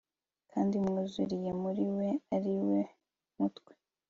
kandi mwuzuriye muri we ari we mutwe